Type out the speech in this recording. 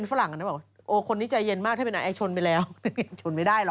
ออนไลน์กันเยอะกว่าไหร่